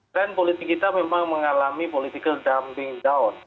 trend politik kita memang mengalami political dumping down